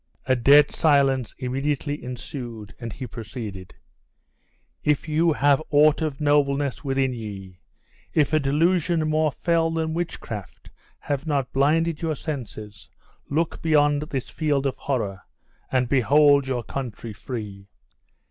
A dead silence immediately ensued, and he proceeded: "If you have aught of nobleness within ye, if a delusion more fell than witchcraft have not blinded your senses, look beyond this field of horror, and behold your country free.